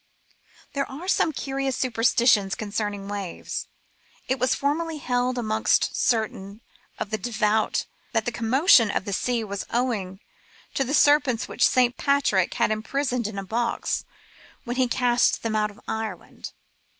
There are some curious superstitions concerning waves. It was formerly held amongst certain of the devout that the commotion of the sea was owing to the serpents which St. Patrick had imprisoned in a box when he cast them out of Ireland.